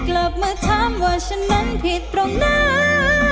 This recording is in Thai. กลับมาถามว่าฉันนั้นผิดตรงหน้า